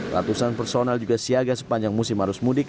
ratusan personal juga siaga sepanjang musim arus mudik